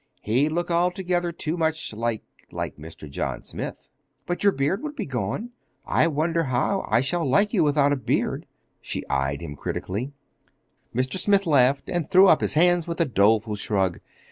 He'd look altogether too much like—like Mr. John Smith." "But your beard will be gone—I wonder how I shall like you without a beard." She eyed him critically. Mr. Smith laughed and threw up his hands with a doleful shrug.